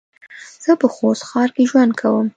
زه په خوست ښار کې ژوند کوم